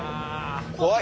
怖い。